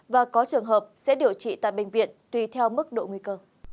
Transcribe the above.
và có trường hợp sẽ điều trị tại bệnh viện tùy theo mức độ nguy cơ